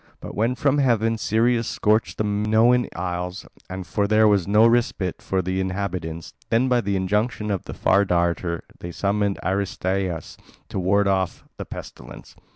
But when from heaven Sirius scorched the Minoan Isles, and for long there was no respite for the inhabitants, then by the injunction of the Far Darter they summoned Aristaeus to ward off the pestilence.